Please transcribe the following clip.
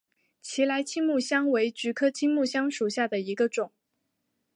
奇莱青木香为菊科青木香属下的一个种。